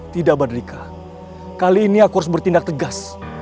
tidak berdekah kali ini aku harus bertindak tegas